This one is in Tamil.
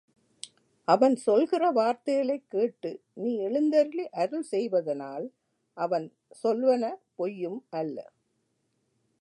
அவன் சொல்கிற வார்த்தைகளைக் கேட்டு நீ எழுந்தருளி அருள் செய்வதனால் அவன் சொல்வன பொய்யும் அல்ல.